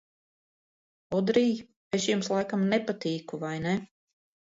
Odrij, es jums, laikam, nepatīku, vai ne?